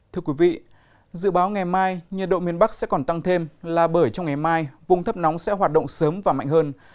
thưa quý vị dự báo ngày mai nhiệt độ miền bắc sẽ còn tăng thêm là bởi trong ngày mai vùng thấp nóng sẽ hoạt động sớm và mạnh hơn